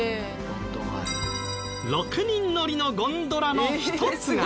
６人乗りのゴンドラの一つが。